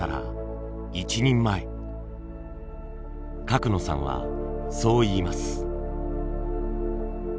角野さんはそう言います。